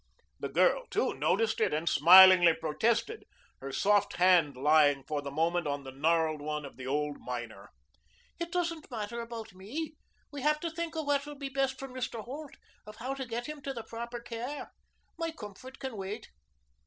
The girl, too, noticed it and smilingly protested, her soft hand lying for the moment on the gnarled one of the old miner. "It doesn't matter about me. We have to think of what will be best for Mr. Holt, of how to get him to the proper care. My comfort can wait."